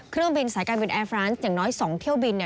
เครื่องบินสายการบินแอร์ฟรานซ์อย่างน้อย๒เที่ยวบิน